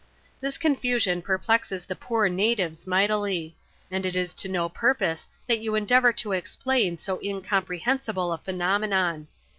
This confusion perplexes the poor natives mightily; and it is I to no purpose that you endeavour to explain so incomprehensible i a phenomenon.